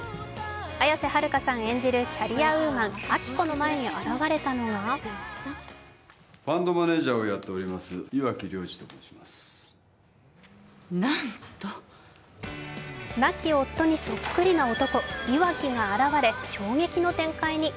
綾瀬はるかさん演じるキャリアウーマン・亜希子の前に現れたのが亡き夫にそっくりな男・岩城が現れ衝撃の展開に。